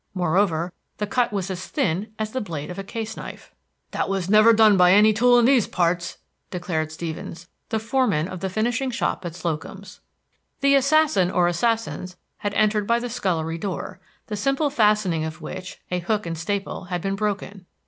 Moreover, the cut was as thin as the blade of a case knife. "That was never done by any tool in these parts," declared Stevens, the foreman of the finishing shop at Slocum's. The assassin or assassins had entered by the scullery door, the simple fastening of which, a hook and staple, had been broken.